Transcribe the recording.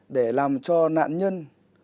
để làm cho nạn nhân